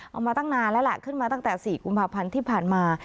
มาตั้งนานแล้วแหละขึ้นมาตั้งแต่๔กุมภาพันธ์ที่ผ่านมา